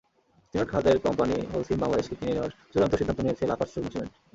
Cement খাতের company Holcim বাংলাদেশকে কিনে নেওয়ার চূড়ান্ত সিদ্ধান্ত নিয়েছে লাফার্জ সুরমা সিমেন্ট।